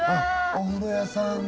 お風呂屋さんだ。